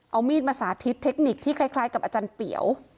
เอามีดมาสาธิตเทคนิคที่คล้ายกับอาจารย์เปี๋ว